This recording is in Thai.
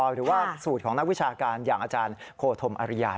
หรือว่าสูตรของนักวิชาการอย่างอาจารย์โคธมอริยา